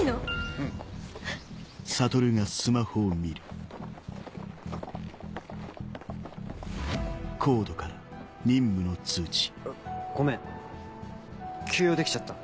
うん。あっごめん急用できちゃった。